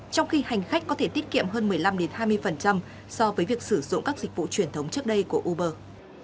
trong khi hành khách có thể tiết kiệm hơn một mươi năm hai mươi so với việc sử dụng các dịch vụ truyền thống trước đây của uber